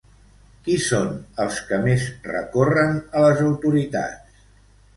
Qui són els que més recorren a les autoritats?